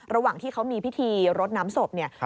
ระหว่างที่เขามีพิธีรดน้ำศพเนี่ย